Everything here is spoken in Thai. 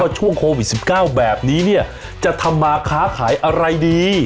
ช่วงโควิด๑๙แบบนี้เนี่ยจะทำมาค้าขายอะไรดี